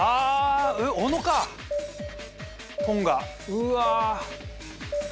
うわ。